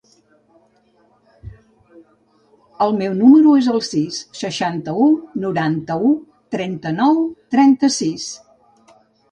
El meu número es el sis, seixanta-u, noranta-u, trenta-nou, trenta-sis.